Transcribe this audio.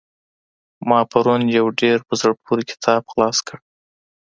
ما پرون يو ډېر په زړه پوري کتاب خلاص کړ.